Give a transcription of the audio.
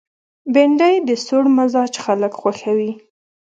بېنډۍ د سوړ مزاج خلک خوښوي